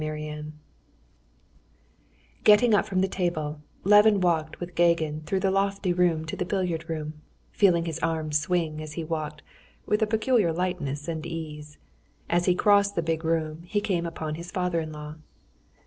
Chapter 8 Getting up from the table, Levin walked with Gagin through the lofty room to the billiard room, feeling his arms swing as he walked with a peculiar lightness and ease. As he crossed the big room, he came upon his father in law.